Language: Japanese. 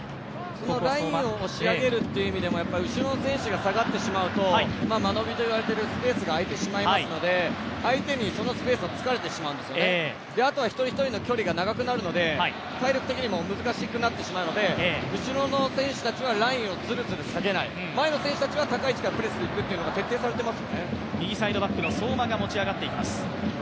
ラインを押し上げるという意味でも後ろの選手が下がってしまうと間延びといわれているスペースが空いてしまうので、相手にそのスペースを突かれてしまうんですよね、あとは一人一人の距離が長くなると体力的にも厳しくなるので、後ろの選手たちはラインをずるずる下げない、前の選手たちは高い位置からプレスしていくというのが徹底されていますね。